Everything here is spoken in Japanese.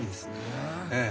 ええ。